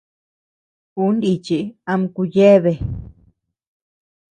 Ú nichi ama kù yéabea.